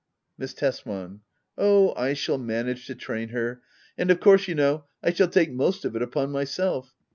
Miss Tesman. Oh, I shall manage to train her. And of course, you know, I shall take most of it upon myself.